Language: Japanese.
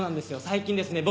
最近ですね